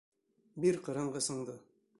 — Бир ҡырынғысыңды.